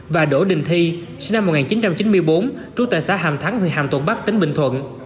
và đỗ đình thi sinh năm một nghìn chín trăm chín mươi bốn trú tại xã hàm thắng huyện hàm thuận bắc tỉnh bình thuận